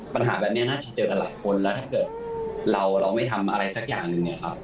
ปัญหาแบบนี้น่าจะเจอกันหลายคนแล้วถ้าเกิดเราไม่ทำอะไรสักอย่างหนึ่งเนี่ยครับ